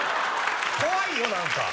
怖いよ何か。